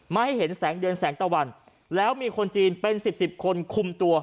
ให้เห็นแสงเดือนแสงตะวันแล้วมีคนจีนเป็นสิบสิบคนคุมตัว